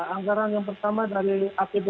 anggaran yang pertama dari apbd